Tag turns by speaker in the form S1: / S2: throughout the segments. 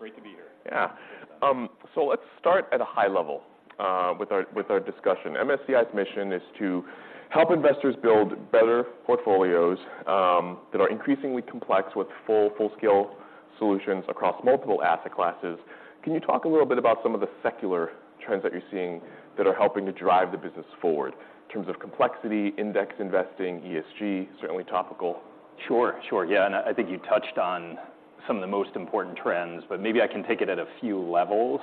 S1: Thank you for having me. Great to be here.
S2: Yeah. So let's start at a high level, with our discussion. MSCI's mission is to help investors build better portfolios, that are increasingly complex, with full-scale solutions across multiple asset classes. Can you talk a little bit about some of the secular trends that you're seeing that are helping to drive the business forward in terms of complexity, index investing, ESG, certainly topical?
S1: Sure, sure. Yeah, and I think you touched on some of the most important trends, but maybe I can take it at a few levels.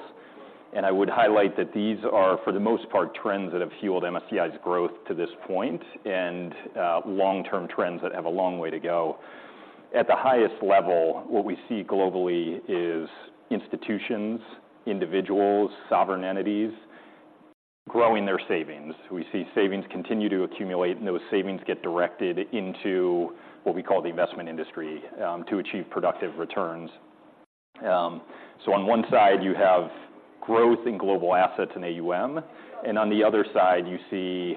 S1: And I would highlight that these are, for the most part, trends that have fueled MSCI's growth to this point and long-term trends that have a long way to go. At the highest level, what we see globally is institutions, individuals, sovereign entities, growing their savings. We see savings continue to accumulate, and those savings get directed into what we call the investment industry to achieve productive returns. So on one side, you have growth in global assets and AUM, and on the other side, you see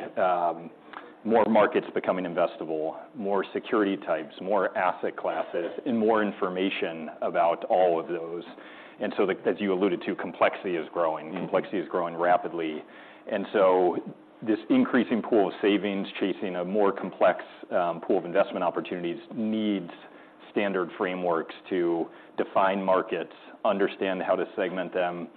S1: more markets becoming investable, more security types, more asset classes, and more information about all of those. And so, like, as you alluded to, complexity is growing, and complexity is growing rapidly. So this increasing pool of savings, chasing a more complex pool of investment opportunities, needs standard frameworks to define markets, understand how to segment them,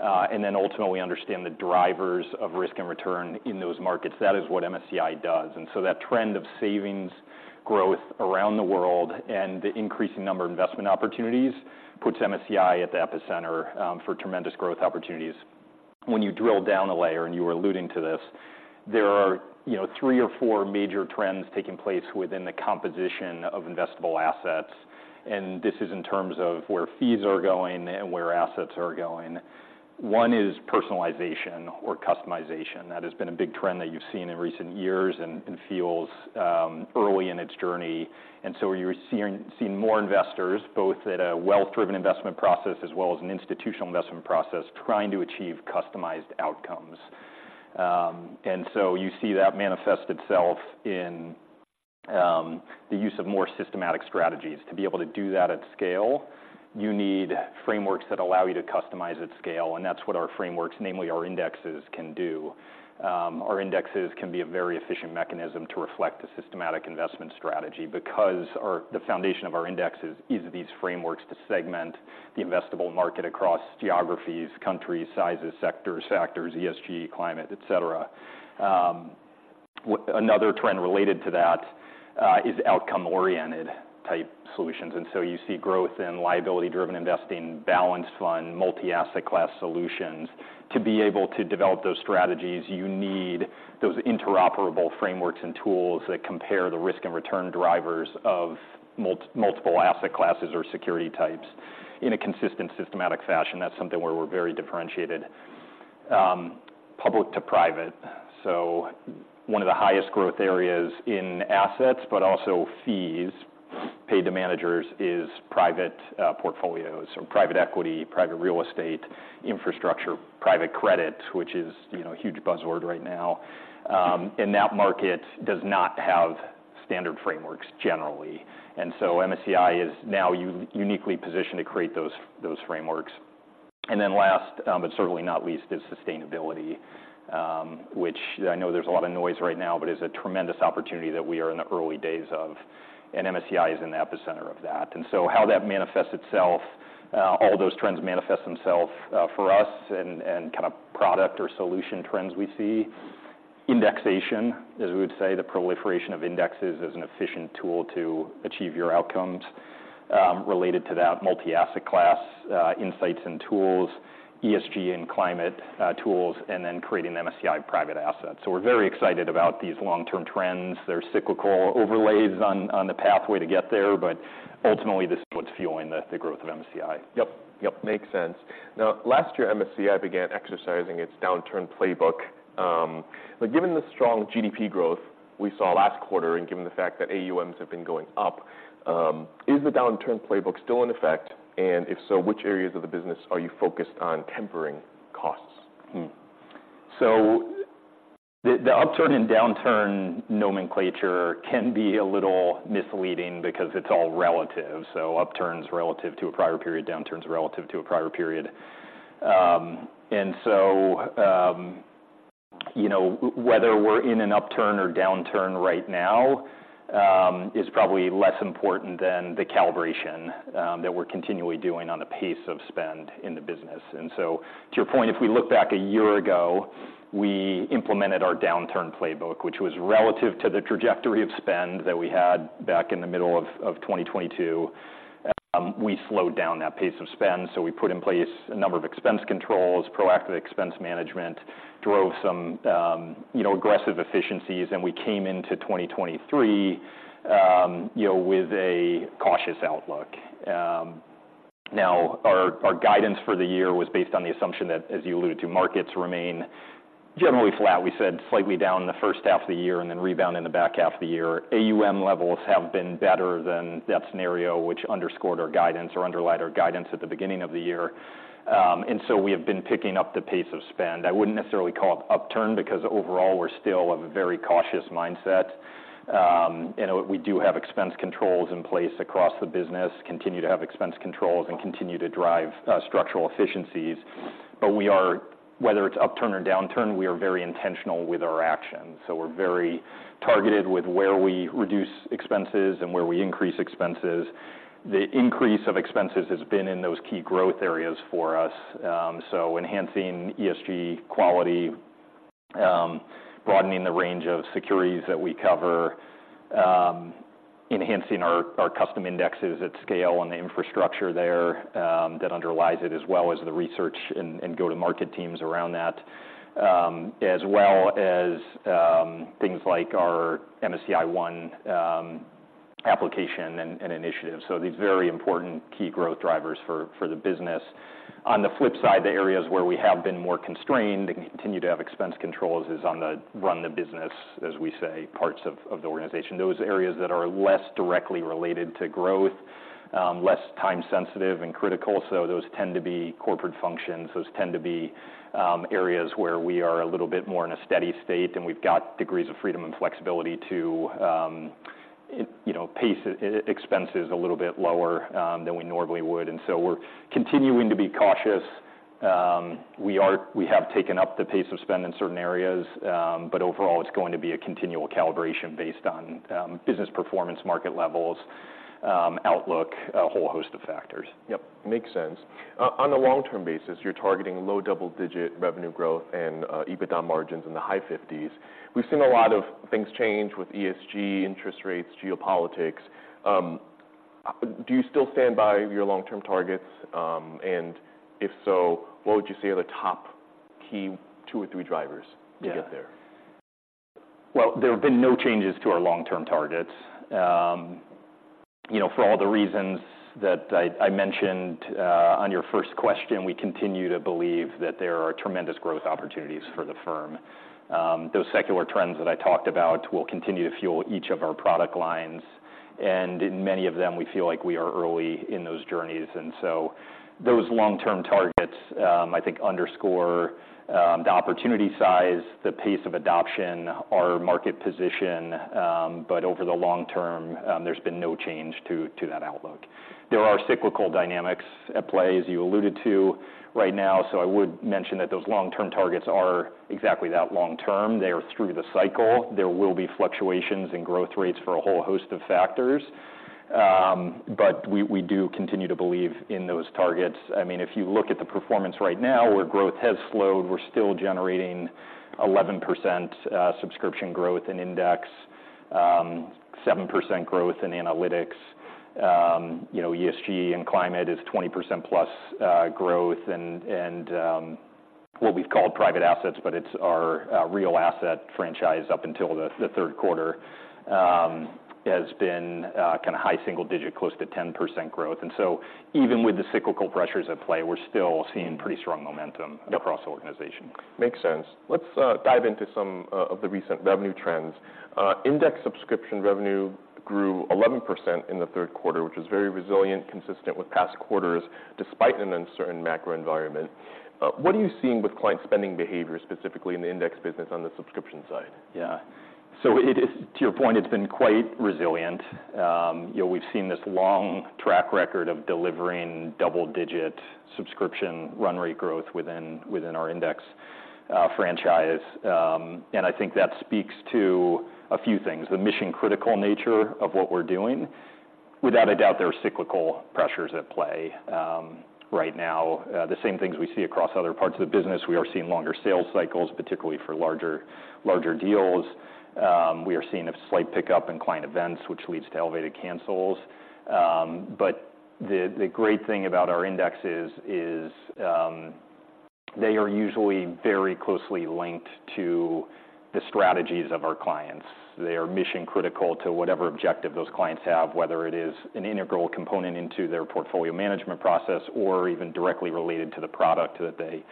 S1: and then ultimately understand the drivers of risk and return in those markets. That is what MSCI does. So that trend of savings growth around the world and the increasing number of investment opportunities puts MSCI at the epicenter for tremendous growth opportunities. When you drill down a layer, and you were alluding to this, there are, you know, three or four major trends taking place within the composition of investable assets, and this is in terms of where fees are going and where assets are going. One is personalization or customization. That has been a big trend that you've seen in recent years and, and feels early in its journey. And so you're seeing, seeing more investors, both at a wealth-driven investment process as well as an institutional investment process, trying to achieve customized outcomes. You see that manifest itself in the use of more systematic strategies. To be able to do that at scale, you need frameworks that allow you to customize at scale, and that's what our frameworks, namely our indexes, can do. Our indexes can be a very efficient mechanism to reflect a systematic investment strategy because our, the foundation of our indexes is these frameworks to segment the investable market across geographies, countries, sizes, sectors, factors, ESG, climate, et cetera. Another trend related to that is outcome-oriented type solutions, and you see growth in liability-driven investing, balanced fund, multi-asset class solutions. To be able to develop those strategies, you need those interoperable frameworks and tools that compare the risk and return drivers of multiple asset classes or security types in a consistent, systematic fashion. That's something where we're very differentiated. Public to private, so one of the highest growth areas in assets, but also fees paid to managers, is private portfolios or private equity, private real estate, infrastructure, private credit, which is, you know, a huge buzzword right now. And that market does not have standard frameworks generally, and so MSCI is now uniquely positioned to create those frameworks. And then last, but certainly not least, is sustainability, which I know there's a lot of noise right now, but is a tremendous opportunity that we are in the early days of, and MSCI is in the epicenter of that. And so how that manifests itself, all those trends manifest themselves, for us and, and kind of product or solution trends we see: indexation, as we would say, the proliferation of indexes as an efficient tool to achieve your outcomes. Related to that, multi-asset class, insights and tools, ESG and climate, tools, and then creating MSCI Private Assets. So we're very excited about these long-term trends. There's cyclical overlays on, on the pathway to get there, but ultimately, this is what's fueling the, the growth of MSCI.
S2: Yep, yep, makes sense. Now, last year, MSCI began exercising its downturn playbook. But given the strong GDP growth we saw last quarter and given the fact that AUMs have been going up, is the downturn playbook still in effect? And if so, which areas of the business are you focused on tempering costs?
S1: So the upturn and downturn nomenclature can be a little misleading because it's all relative, so upturns relative to a prior period, downturns relative to a prior period. And so, you know, whether we're in an upturn or downturn right now is probably less important than the calibration that we're continually doing on the pace of spend in the business. And so to your point, if we look back a year ago, we implemented our downturn playbook, which was relative to the trajectory of spend that we had back in the middle of 2022. We slowed down that pace of spend, so we put in place a number of expense controls, proactive expense management, drove some, you know, aggressive efficiencies, and we came into 2023, you know, with a cautious outlook. Now, our guidance for the year was based on the assumption that, as you alluded to, markets remain generally flat. We said slightly down in the first half of the year and then rebound in the back half of the year. AUM levels have been better than that scenario, which underscored our guidance or underlined our guidance at the beginning of the year. And so we have been picking up the pace of spend. I wouldn't necessarily call it upturn, because overall we're still of a very cautious mindset. And we do have expense controls in place across the business, continue to have expense controls, and continue to drive structural efficiencies. But whether it's upturn or downturn, we are very intentional with our actions, so we're very targeted with where we reduce expenses and where we increase expenses. The increase of expenses has been in those key growth areas for us. So enhancing ESG quality, broadening the range of securities that we cover, enhancing our custom indexes at scale and the infrastructure there that underlies it, as well as the research and go-to-market teams around that. As well as things like our MSCI ONE application and initiative, so these very important key growth drivers for the business. On the flip side, the areas where we have been more constrained and continue to have expense controls is on the run the business, as we say, parts of the organization. Those areas that are less directly related to growth, less time sensitive and critical, so those tend to be corporate functions, those tend to be, areas where we are a little bit more in a steady state, and we've got degrees of freedom and flexibility to, you know, pace expenses a little bit lower, than we normally would. And so we're continuing to be cautious. We have taken up the pace of spend in certain areas, but overall, it's going to be a continual calibration based on, business performance, market levels, outlook, a whole host of factors.
S2: Yep, makes sense.
S1: Okay.
S2: On the long-term basis, you're targeting low double-digit revenue growth and EBITDA margins in the high fifties. We've seen a lot of things change with ESG, interest rates, geopolitics. Do you still stand by your long-term targets? And if so, what would you say are the top key two or three drivers-
S1: Yeah...
S2: to get there?
S1: Well, there have been no changes to our long-term targets. You know, for all the reasons that I mentioned on your first question, we continue to believe that there are tremendous growth opportunities for the firm. Those secular trends that I talked about will continue to fuel each of our product lines, and in many of them, we feel like we are early in those journeys. And so those long-term targets, I think underscore the opportunity size, the pace of adoption, our market position, but over the long term, there's been no change to that outlook. There are cyclical dynamics at play, as you alluded to right now, so I would mention that those long-term targets are exactly that long term. They are through the cycle. There will be fluctuations in growth rates for a whole host of factors, but we do continue to believe in those targets. I mean, if you look at the performance right now, where growth has slowed, we're still generating 11% subscription growth in Index, 7% growth in analytics. You know, ESG and climate is 20%+ growth, and what we've called private assets, but it's our real asset franchise up until the third quarter, has been kind of high single digit, close to 10% growth. And so-
S2: Mm...
S1: even with the cyclical pressures at play, we're still seeing pretty strong momentum-
S2: Yep...
S1: across the organization.
S2: Makes sense. Let's dive into some of the recent revenue trends. Index subscription revenue grew 11% in the third quarter, which is very resilient, consistent with past quarters, despite an uncertain macro environment. What are you seeing with client spending behavior, specifically in the Index business on the subscription side?
S1: Yeah. So it is, to your point, it's been quite resilient. You know, we've seen this long track record of delivering double-digit subscription run rate growth within our Index franchise. And I think that speaks to a few things, the mission-critical nature of what we're doing. Without a doubt, there are cyclical pressures at play right now. The same things we see across other parts of the business, we are seeing longer sales cycles, particularly for larger deals. We are seeing a slight pickup in client events, which leads to elevated cancels. But the great thing about our Index is they are usually very closely linked to the strategies of our clients. They are mission-critical to whatever objective those clients have, whether it is an integral component into their portfolio management process or even directly related to the product that they,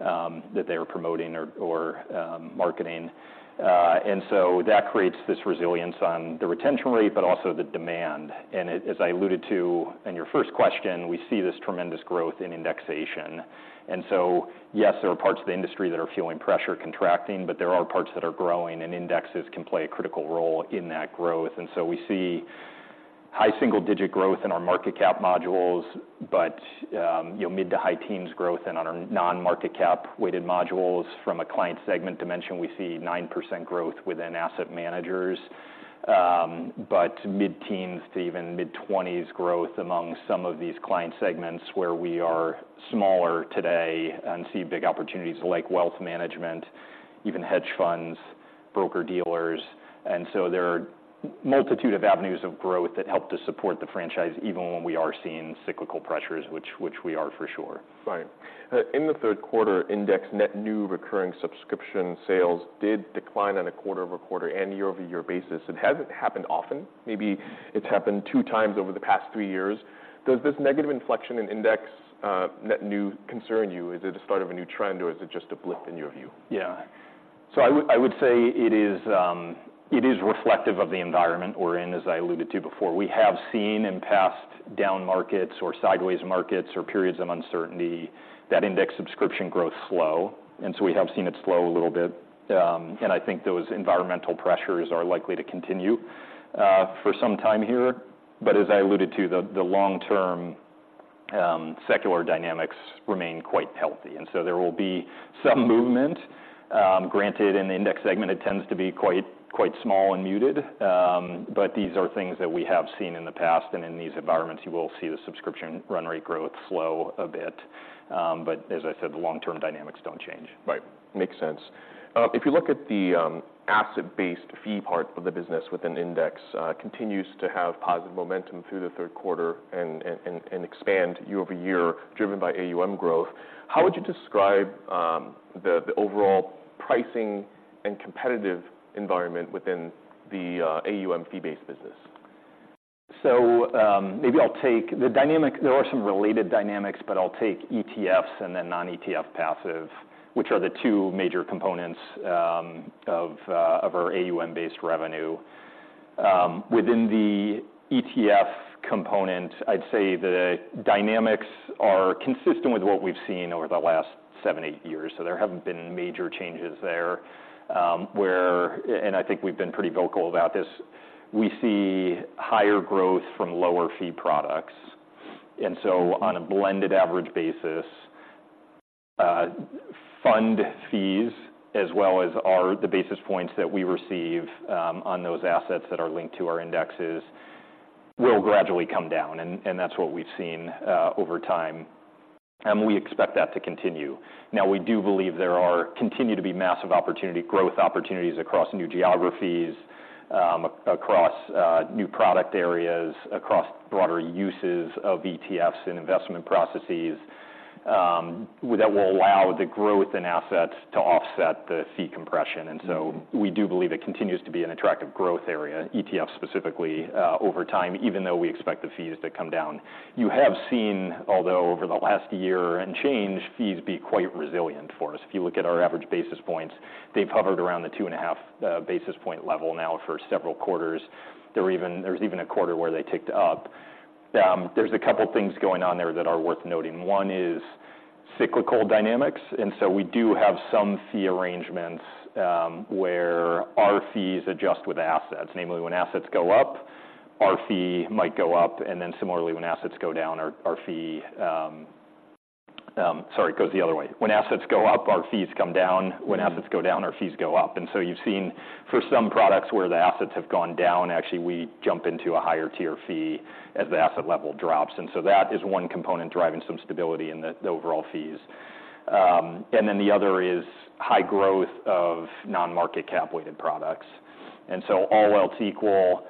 S1: that they are promoting or, or, marketing. And so that creates this resilience on the retention rate, but also the demand. And as I alluded to in your first question, we see this tremendous growth in indexation. And so, yes, there are parts of the industry that are feeling pressure contracting, but there are parts that are growing, and indexes can play a critical role in that growth. And so we see high single-digit growth in our market cap modules, but, you know, mid to high teens growth in our non-market cap weighted modules. From a client segment dimension, we see 9% growth within asset managers, but mid-teens to even mid-20s growth among some of these client segments where we are smaller today and see big opportunities like wealth management, even hedge funds, broker-dealers. And so there are multitude of avenues of growth that help to support the franchise, even when we are seeing cyclical pressures, which we are for sure.
S2: Right. In the third quarter, Index net new recurring subscription sales did decline on a quarter-over-quarter and year-over-year basis. It hasn't happened often. Maybe it's happened two times over the past three years. Does this negative inflection in Index, net new concern you? Is it a start of a new trend, or is it just a blip in your view?
S1: So I would say it is reflective of the environment we're in, as I alluded to before. We have seen in past down markets or sideways markets or periods of uncertainty, that index subscription growth slow, and so we have seen it slow a little bit. And I think those environmental pressures are likely to continue for some time here. But as I alluded to, the long-term secular dynamics remain quite healthy, and so there will be some movement. Granted, in the index segment, it tends to be quite small and muted, but these are things that we have seen in the past, and in these environments, you will see the subscription run rate growth slow a bit. But as I said, the long-term dynamics don't change.
S2: Right. Makes sense. If you look at the asset-based fee part of the business within Index, continues to have positive momentum through the third quarter and expand year-over-year, driven by AUM growth, how would you describe the overall pricing and competitive environment within the AUM fee-based business?
S1: So, maybe I'll take the dynamics—there are some related dynamics, but I'll take ETFs and then non-ETF passive, which are the two major components of our AUM-based revenue. Within the ETF component, I'd say the dynamics are consistent with what we've seen over the last seven, eight years, so there haven't been major changes there. And I think we've been pretty vocal about this, we see higher growth from lower fee products. And so on a blended average basis, fund fees, as well as our—the basis points that we receive on those assets that are linked to our indexes, will gradually come down, and that's what we've seen over time, and we expect that to continue. Now, we do believe there are... Continue to be massive opportunity, growth opportunities across new geographies, across new product areas, across broader uses of ETFs and investment processes, that will allow the growth in assets to offset the fee compression. And so we do believe it continues to be an attractive growth area, ETF specifically, over time, even though we expect the fees to come down. You have seen, although over the last year and change, fees be quite resilient for us. If you look at our average basis points, they've hovered around the 2.5 basis point level now for several quarters. There was even a quarter where they ticked up. There's a couple things going on there that are worth noting. One is cyclical dynamics, and so we do have some fee arrangements where our fees adjust with assets. Namely, when assets go up, our fee might go up, and then similarly, when assets go down, Sorry, it goes the other way. When assets go up, our fees come down. When assets go down, our fees go up. And so you've seen for some products where the assets have gone down, actually, we jump into a higher tier fee as the asset level drops. And so that is one component driving some stability in the overall fees. And then the other is high growth of non-market cap-weighted products. And so all else equal,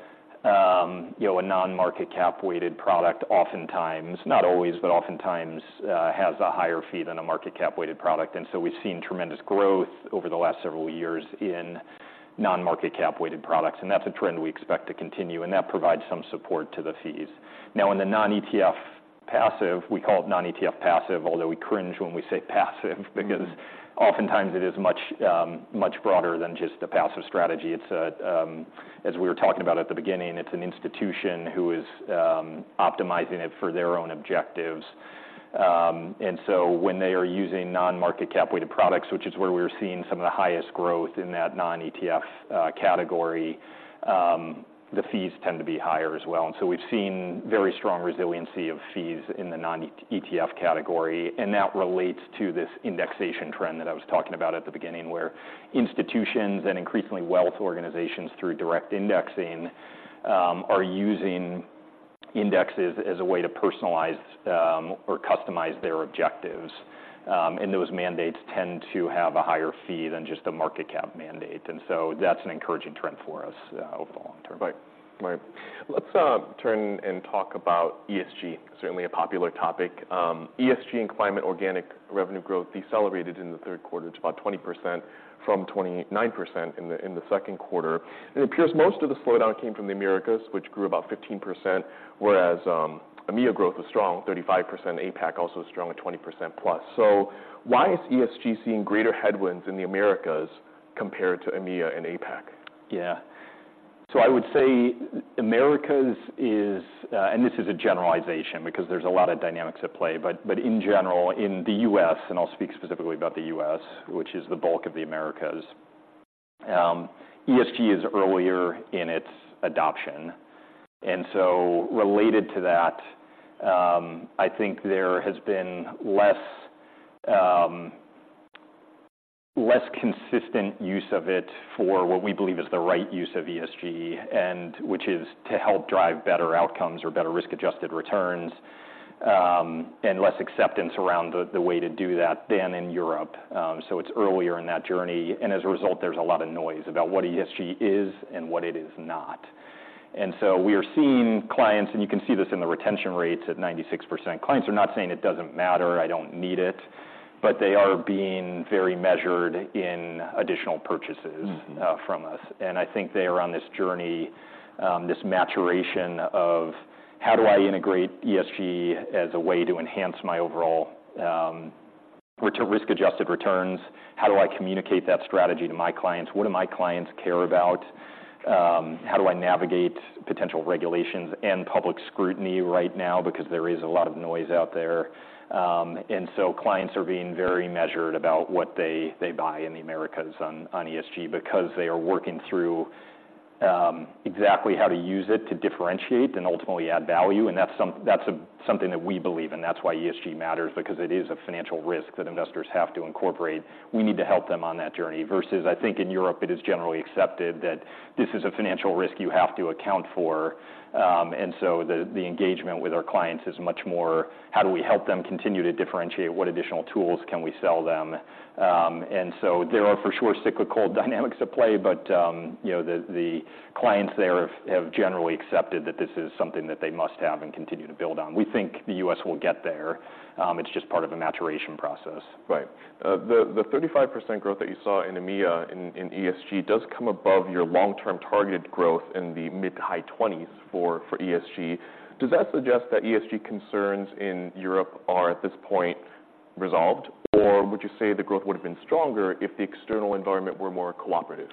S1: you know, a non-market cap-weighted product oftentimes, not always, but oftentimes, has a higher fee than a market cap-weighted product. And so we've seen tremendous growth over the last several years in non-market cap-weighted products, and that's a trend we expect to continue, and that provides some support to the fees. Now, in the non-ETF passive, we call it non-ETF passive, although we cringe when we say passive, because oftentimes it is much, much broader than just the passive strategy. As we were talking about at the beginning, it's an institution who is, optimizing it for their own objectives. And so when they are using non-market cap-weighted products, which is where we're seeing some of the highest growth in that non-ETF, category, the fees tend to be higher as well. And so we've seen very strong resiliency of fees in the non-ETF category, and that relates to this indexation trend that I was talking about at the beginning, where institutions and increasingly wealth organizations, through direct indexing, are using indexes as a way to personalize, or customize their objectives. And those mandates tend to have a higher fee than just the market cap mandate, and so that's an encouraging trend for us, over the long term.
S2: Right. Right. Let's turn and talk about ESG, certainly a popular topic. ESG and climate organic revenue growth decelerated in the third quarter to about 20% from 29% in the second quarter. It appears most of the slowdown came from the Americas, which grew about 15%, whereas EMEA growth was strong, 35%. APAC also strong at 20%+. So why is ESG seeing greater headwinds in the Americas compared to EMEA and APAC?
S1: Yeah. So I would say Americas is... And this is a generalization, because there's a lot of dynamics at play, but, but in general, in the U.S., and I'll speak specifically about the U.S., which is the bulk of the Americas, ESG is earlier in its adoption. And so related to that, I think there has been less, less consistent use of it for what we believe is the right use of ESG, and which is to help drive better outcomes or better risk-adjusted returns, and less acceptance around the, the way to do that than in Europe. So it's earlier in that journey, and as a result, there's a lot of noise about what ESG is and what it is not. So we are seeing clients, and you can see this in the retention rates at 96%, clients are not saying, "It doesn't matter, I don't need it," but they are being very measured in additional purchases-
S2: Mm.
S1: From us. And I think they are on this journey, this maturation. How do I integrate ESG as a way to enhance my overall risk-adjusted returns? How do I communicate that strategy to my clients? What do my clients care about? How do I navigate potential regulations and public scrutiny right now? Because there is a lot of noise out there. And so clients are being very measured about what they buy in the Americas on ESG because they are working through exactly how to use it to differentiate and ultimately add value, and that's something that we believe, and that's why ESG matters, because it is a financial risk that investors have to incorporate. We need to help them on that journey, versus I think in Europe it is generally accepted that this is a financial risk you have to account for. And so the engagement with our clients is much more, how do we help them continue to differentiate? What additional tools can we sell them? And so there are for sure cyclical dynamics at play, but, you know, the clients there have generally accepted that this is something that they must have and continue to build on. We think the U.S. will get there, it's just part of a maturation process.
S2: Right. The 35% growth that you saw in EMEA in ESG does come above your long-term target growth in the mid-high 20s for ESG. Does that suggest that ESG concerns in Europe are, at this point, resolved? Or would you say the growth would've been stronger if the external environment were more cooperative?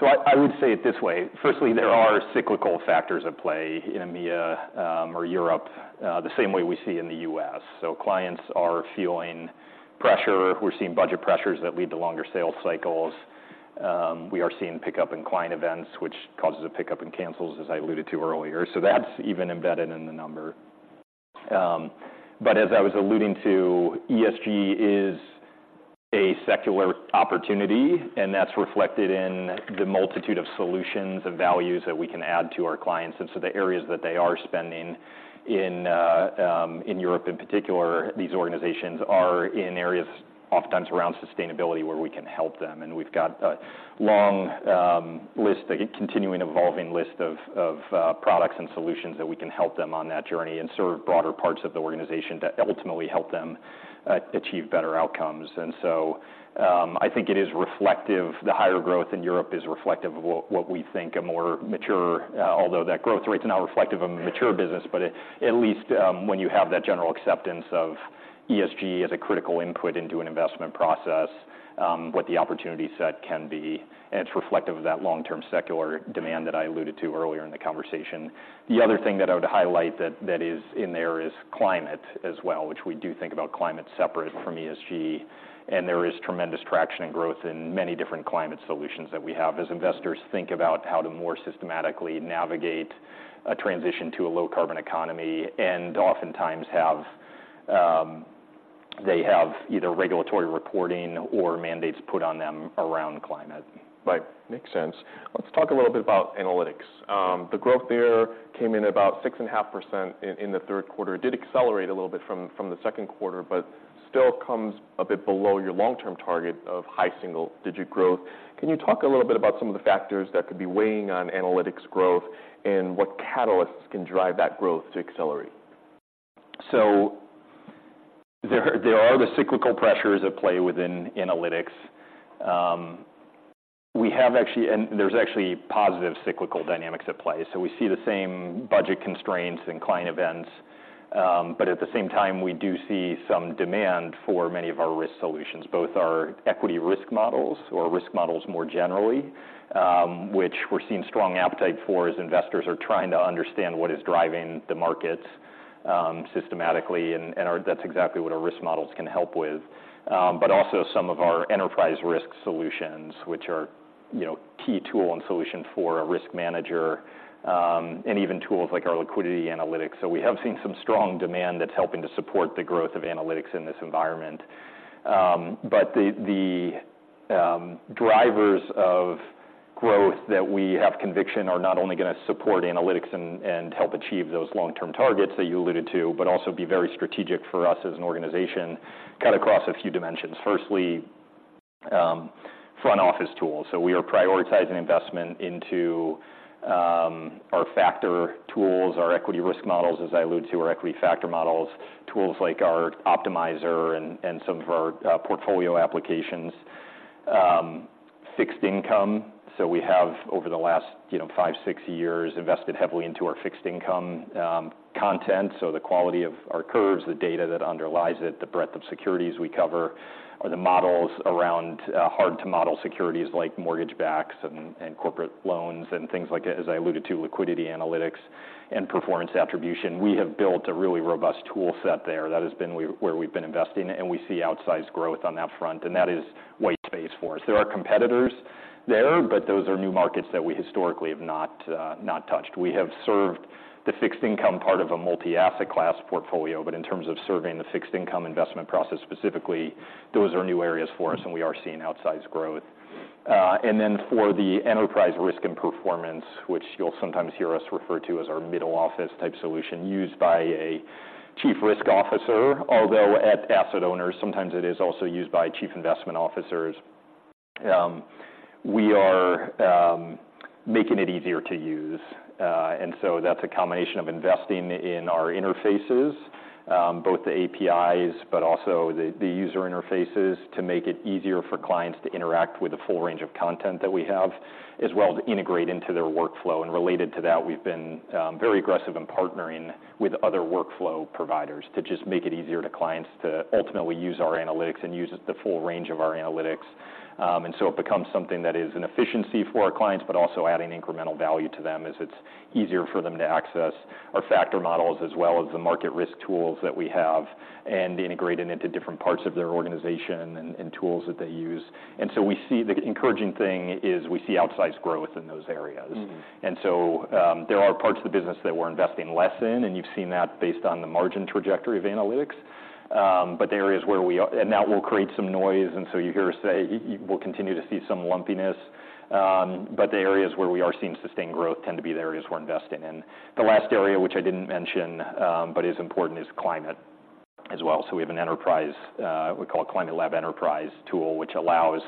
S1: So I would say it this way. Firstly, there are cyclical factors at play in EMEA, or Europe, the same way we see in the U.S. So clients are feeling pressure, we're seeing budget pressures that lead to longer sales cycles. We are seeing pickup in client events, which causes a pickup in cancels, as I alluded to earlier. So that's even embedded in the number. But as I was alluding to, ESG is a secular opportunity, and that's reflected in the multitude of solutions and values that we can add to our clients. And so the areas that they are spending in, in Europe in particular, these organizations are in areas oftentimes around sustainability, where we can help them. And we've got a long list, a continuing, evolving list of products and solutions that we can help them on that journey and serve broader parts of the organization to ultimately help them achieve better outcomes. And so, I think it is reflective... The higher growth in Europe is reflective of what we think a more mature... Although, that growth rate is not reflective of a mature business, but at least, when you have that general acceptance of ESG as a critical input into an investment process, what the opportunity set can be, and it's reflective of that long-term secular demand that I alluded to earlier in the conversation. The other thing that I would highlight that, that is in there is climate as well, which we do think about climate separate from ESG, and there is tremendous traction and growth in many different climate solutions that we have, as investors think about how to more systematically navigate a transition to a low-carbon economy, and oftentimes have, they have either regulatory reporting or mandates put on them around climate.
S2: Right. Makes sense. Let's talk a little bit about analytics. The growth there came in about 6.5% in the third quarter. It did accelerate a little bit from the second quarter, but still comes a bit below your long-term target of high single-digit growth. Can you talk a little bit about some of the factors that could be weighing on analytics growth, and what catalysts can drive that growth to accelerate?
S1: So there are the cyclical pressures at play within analytics. There's actually positive cyclical dynamics at play, so we see the same budget constraints and client events, but at the same time, we do see some demand for many of our risk solutions, both our equity risk models or risk models more generally, which we're seeing strong appetite for as investors are trying to understand what is driving the markets, systematically, and that's exactly what our risk models can help with. But also some of our enterprise risk solutions, which are, you know, key tool and solution for a risk manager, and even tools like our liquidity analytics. So we have seen some strong demand that's helping to support the growth of analytics in this environment. But the drivers of growth that we have conviction are not only gonna support analytics and help achieve those long-term targets that you alluded to, but also be very strategic for us as an organization, cut across a few dimensions. Firstly, front office tools. So we are prioritizing investment into our factor tools, our equity risk models, as I alluded to, our equity factor models, tools like our optimizer and some of our portfolio applications. Fixed income, so we have, over the last, you know, five to six years, invested heavily into our fixed income content, so the quality of our curves, the data that underlies it, the breadth of securities we cover, or the models around hard-to-model securities like mortgage backs and corporate loans, and things like that. As I alluded to, liquidity analytics and performance attribution, we have built a really robust toolset there. That has been where we've been investing, and we see outsized growth on that front, and that is white space for us. There are competitors there, but those are new markets that we historically have not not touched. We have served the fixed income part of a multi-asset class portfolio, but in terms of serving the fixed income investment process, specifically, those are new areas for us, and we are seeing outsized growth. And then for the enterprise risk and performance, which you'll sometimes hear us refer to as our middle office type solution, used by a chief risk officer, although at asset owners, sometimes it is also used by chief investment officers, we are making it easier to use. And so that's a combination of investing in our interfaces, both the APIs, but also the user interfaces, to make it easier for clients to interact with the full range of content that we have, as well as integrate into their workflow. And related to that, we've been very aggressive in partnering with other workflow providers, to just make it easier to clients to ultimately use our analytics and use the full range of our analytics. And so it becomes something that is an efficiency for our clients, but also adding incremental value to them as it's easier for them to access our factor models, as well as the market risk tools that we have, and integrate it into different parts of their organization and tools that they use. And so we see the encouraging thing is we see outsized growth in those areas.
S2: Mm-hmm.
S1: So, there are parts of the business that we're investing less in, and you've seen that based on the margin trajectory of analytics. But the areas where we are... That will create some noise, and so you hear us say, we'll continue to see some lumpiness. But the areas where we are seeing sustained growth tend to be the areas we're investing in.
S2: Right.
S1: The last area, which I didn't mention, but is important, is climate as well. So we have an enterprise, we call it Climate Lab Enterprise tool, which allows,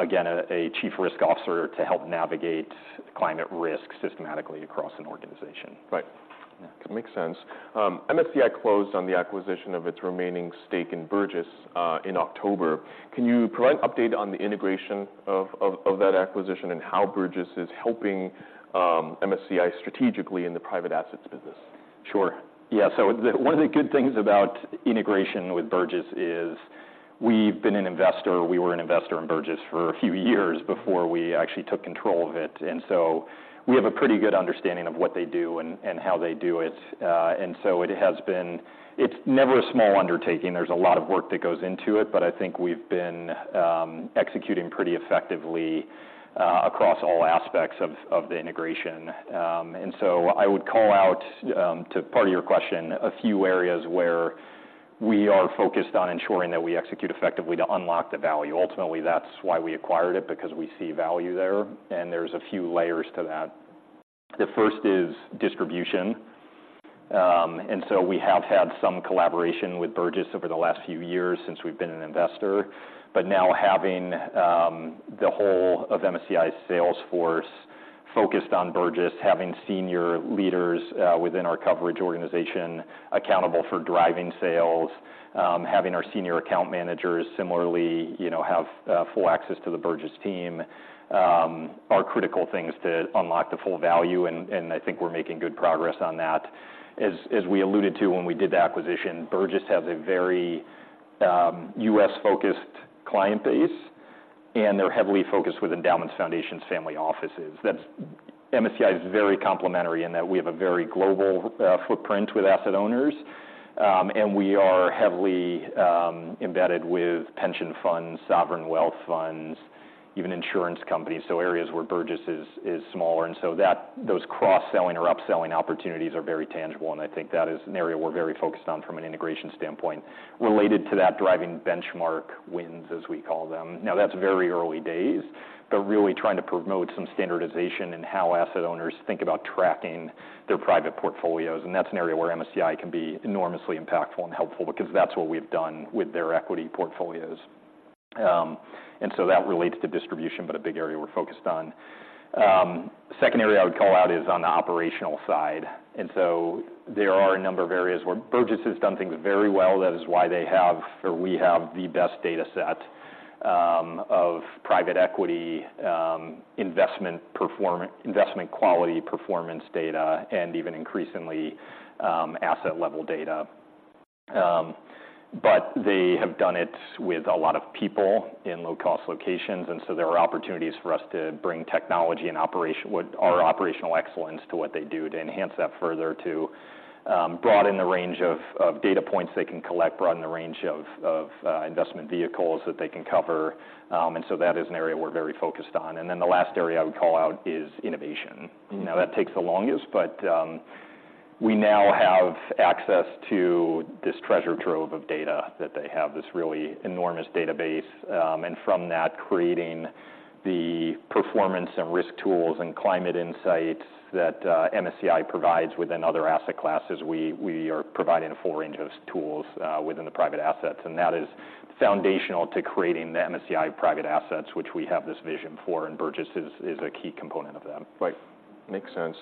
S1: again, a chief risk officer to help navigate climate risk systematically across an organization.
S2: Right. Yeah, it makes sense. MSCI closed on the acquisition of its remaining stake in Burgiss in October. Can you provide an update on the integration of that acquisition, and how Burgiss is helping MSCI strategically in the private assets business?
S1: Sure. Yeah, so one of the good things about integration with Burgiss is we've been an investor, we were an investor in Burgiss for a few years before we actually took control of it, and so we have a pretty good understanding of what they do and how they do it. And so it has been... It's never a small undertaking, there's a lot of work that goes into it, but I think we've been executing pretty effectively across all aspects of the integration. And so I would call out to part of your question, a few areas where we are focused on ensuring that we execute effectively to unlock the value. Ultimately, that's why we acquired it, because we see value there, and there's a few layers to that. The first is distribution. And so we have had some collaboration with Burgiss over the last few years since we've been an investor, but now having the whole of MSCI's sales force focused on Burgiss, having senior leaders within our coverage organization accountable for driving sales, having our senior account managers similarly, you know, have full access to the Burgiss team, are critical things to unlock the full value, and I think we're making good progress on that. As we alluded to when we did the acquisition, Burgiss has a very U.S.-focused client base, and they're heavily focused with endowments, foundations, family offices. That's. MSCI is very complementary in that we have a very global footprint with asset owners, and we are heavily embedded with pension funds, sovereign wealth funds, even insurance companies, so areas where Burgiss is smaller. Those cross-selling or upselling opportunities are very tangible, and I think that is an area we're very focused on from an integration standpoint. Related to that, driving benchmark wins, as we call them. Now, that's very early days, but really trying to promote some standardization in how asset owners think about tracking their private portfolios, and that's an area where MSCI can be enormously impactful and helpful because that's what we've done with their equity portfolios. And so that relates to distribution, but a big area we're focused on. Second area I would call out is on the operational side. There are a number of areas where Burgiss has done things very well. That is why they have, or we have, the best data set of private equity investment quality performance data, and even increasingly asset-level data. But they have done it with a lot of people in low-cost locations, and so there are opportunities for us to bring technology and our operational excellence to what they do, to enhance that further, to broaden the range of data points they can collect, broaden the range of investment vehicles that they can cover. And so that is an area we're very focused on. And then the last area I would call out is innovation.
S2: Mm-hmm.
S1: You know, that takes the longest, but we now have access to this treasure trove of data that they have, this really enormous database, and from that, creating the performance and risk tools and climate insights that MSCI provides within other asset classes. We, we are providing a full range of tools within the private assets, and that is foundational to creating the MSCI Private Assets, which we have this vision for, and Burgiss is, is a key component of them.
S2: Right. Makes sense.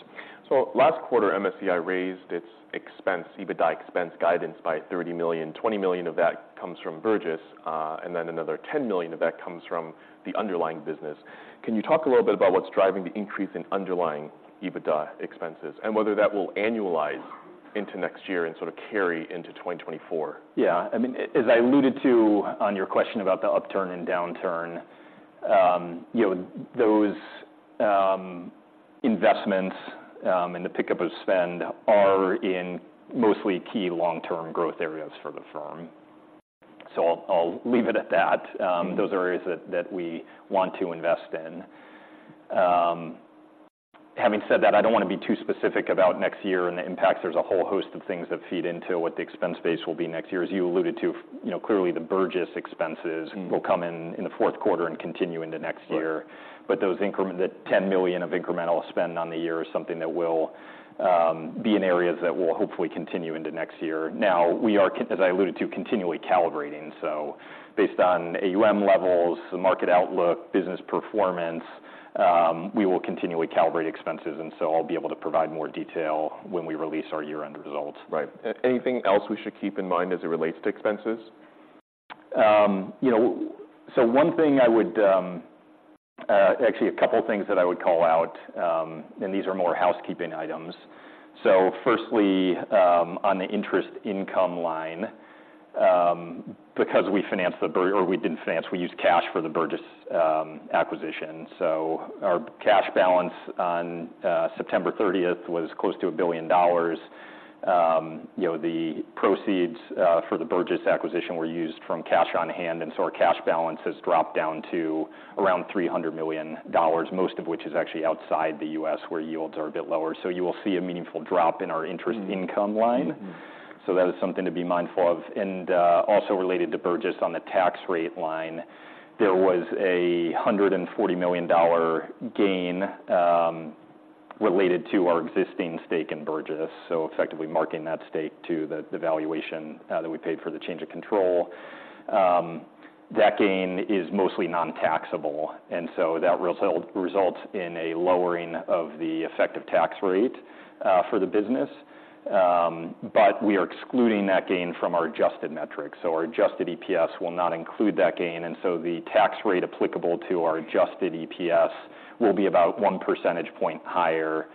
S2: So last quarter, MSCI raised its expense, EBITDA expense guidance by $30 million. $20 million of that comes from Burgiss, and then another $10 million of that comes from the underlying business. Can you talk a little bit about what's driving the increase in underlying EBITDA expenses, and whether that will annualize into next year and sort of carry into 2024?
S1: Yeah. I mean, as I alluded to on your question about the upturn and downturn, you know, those investments and the pickup of spend are in mostly key long-term growth areas for the firm. So I'll, I'll leave it at that. Those are areas that, that we want to invest in. Having said that, I don't want to be too specific about next year and the impact. There's a whole host of things that feed into what the expense base will be next year. As you alluded to, you know, clearly the Burgiss expenses-
S2: Mm...
S1: will come in the fourth quarter and continue into next year.
S2: Right.
S1: But that $10 million of incremental spend on the year is something that will be in areas that will hopefully continue into next year. Now, we are, as I alluded to, continually calibrating, so based on AUM levels, the market outlook, business performance, we will continually calibrate expenses, and so I'll be able to provide more detail when we release our year-end results.
S2: Right. Anything else we should keep in mind as it relates to expenses?
S1: You know, so actually a couple of things that I would call out, and these are more housekeeping items. So firstly, on the interest income line, because we financed the Burgiss or we didn't finance, we used cash for the Burgiss acquisition. So our cash balance on September thirtieth was close to $1 billion. You know, the proceeds for the Burgiss acquisition were used from cash on hand, and so our cash balance has dropped down to around $300 million, most of which is actually outside the U.S., where yields are a bit lower. So you will see a meaningful drop in our interest income line.
S2: Mm-hmm.
S1: So that is something to be mindful of. And, also related to Burgiss, on the tax rate line, there was a $140 million gain, related to our existing stake in Burgiss, so effectively marking that stake to the valuation that we paid for the change of control. That gain is mostly non-taxable, and so that results in a lowering of the effective tax rate for the business. But we are excluding that gain from our adjusted metrics, so our adjusted EPS will not include that gain, and so the tax rate applicable to our adjusted EPS will be about one percentage point higher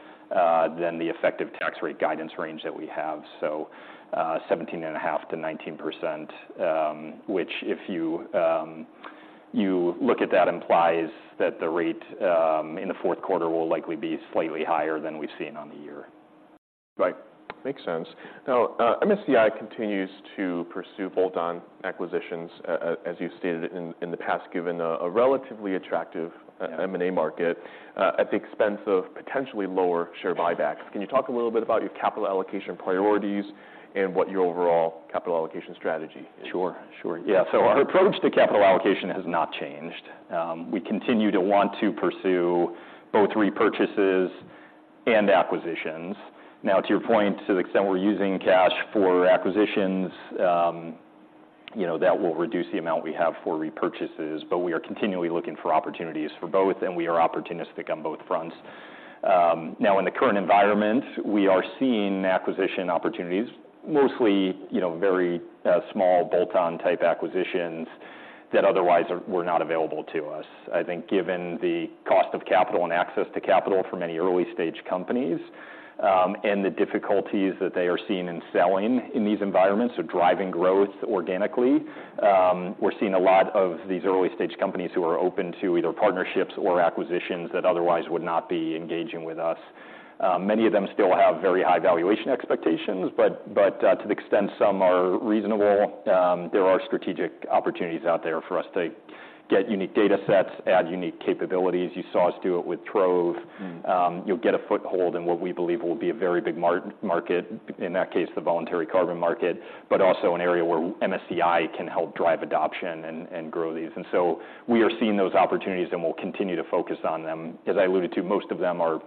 S1: than the effective tax rate guidance range that we have. So, 17.5%-19%, which if you look at that, implies that the rate in the fourth quarter will likely be slightly higher than we've seen on the year.
S2: Right. Makes sense. Now, MSCI continues to pursue bolt-on acquisitions, as you've stated in the past, given a relatively attractive-
S1: Yeah ...
S2: M&A market, at the expense of potentially lower share buybacks. Can you talk a little bit about your capital allocation priorities and what your overall capital allocation strategy is?
S1: Sure, sure. Yeah, so our approach to capital allocation has not changed. We continue to want to pursue both repurchases and acquisitions. Now, to your point, to the extent we're using cash for acquisitions, you know, that will reduce the amount we have for repurchases, but we are continually looking for opportunities for both, and we are opportunistic on both fronts. Now, in the current environment, we are seeing acquisition opportunities, mostly, you know, very, small bolt-on type acquisitions that otherwise were not available to us. I think, given the cost of capital and access to capital for many early-stage companies, and the difficulties that they are seeing in selling in these environments, so driving growth organically, we're seeing a lot of these early-stage companies who are open to either partnerships or acquisitions that otherwise would not be engaging with us. Many of them still have very high valuation expectations, but to the extent some are reasonable, there are strategic opportunities out there for us to get unique data sets, add unique capabilities. You saw us do it with Trove.
S2: Mm.
S1: You'll get a foothold in what we believe will be a very big market, in that case, the voluntary carbon market, but also an area where MSCI can help drive adoption and, and grow these. And so we are seeing those opportunities, and we'll continue to focus on them. As I alluded to, most of them are,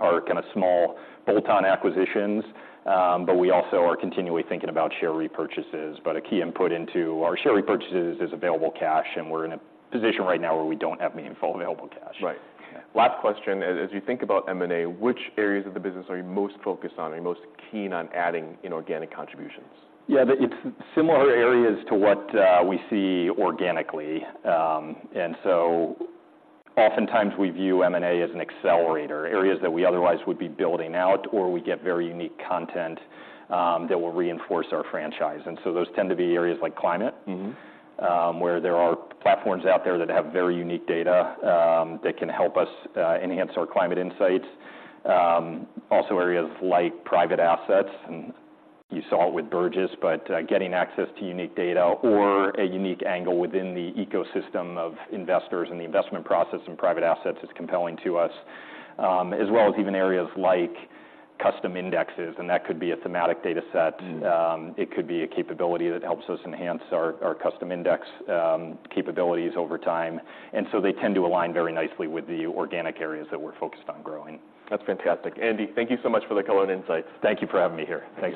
S1: are kind of small bolt-on acquisitions, but we also are continually thinking about share repurchases. But a key input into our share repurchases is available cash, and we're in a position right now where we don't have meaningful available cash.
S2: Right.
S1: Yeah.
S2: Last question, as you think about M&A, which areas of the business are you most focused on, are you most keen on adding inorganic contributions?
S1: Yeah, it's similar areas to what we see organically. And so oftentimes we view M&A as an accelerator, areas that we otherwise would be building out, or we get very unique content that will reinforce our franchise. And so those tend to be areas like climate-
S2: Mm-hmm...
S1: where there are platforms out there that have very unique data, that can help us, enhance our climate insights. Also areas like private assets, and you saw it with Burgiss, but, getting access to unique data or a unique angle within the ecosystem of investors and the investment process in private assets is compelling to us. As well as even areas like custom indexes, and that could be a thematic data set.
S2: Mm.
S1: It could be a capability that helps us enhance our custom index capabilities over time, and so they tend to align very nicely with the organic areas that we're focused on growing.
S2: That's fantastic. Andy, thank you so much for the call and insights.
S1: Thank you for having me here.